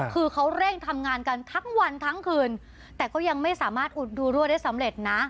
คือเขาเร่งทำงานกันทั้งวันทั้งคืนแต่ก็ยังไม่สามารถอุดดูรั่วได้สำเร็จนะ